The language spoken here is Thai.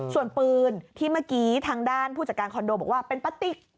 ส่วนปืนที่เมื่อกี้ทางด้านผู้จัดการคอนโดบอกว่าเป็นป้าติ๊ก